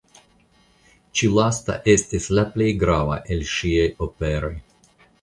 Ĉi lasta estis la plej grava el ŝiaj operoj.